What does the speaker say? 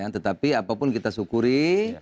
tetapi apapun kita syukuri